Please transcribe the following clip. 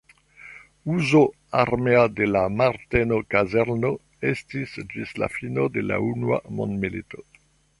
Uzo armea de la Marteno-kazerno estis ĝis la fino de la Unua mondmilito.